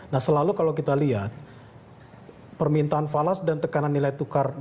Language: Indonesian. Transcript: nah selalu kalau kita lihat permintaan falas dan tekanan nilai tukar